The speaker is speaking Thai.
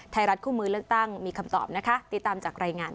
ไทยรัฐคู่มือเลือกตั้งมีคำตอบนะคะติดตามจากรายงาน